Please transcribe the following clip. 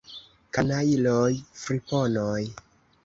Kanajloj, friponoj!